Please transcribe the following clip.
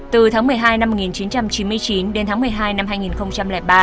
từ tháng một mươi hai năm một nghìn chín trăm chín mươi chín đến tháng một mươi hai năm hai nghìn ba